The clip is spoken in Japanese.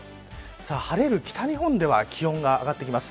晴れる北日本では気温が上がってきます。